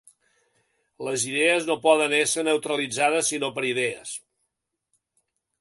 Les idees no poden ésser neutralitzades sinó per idees.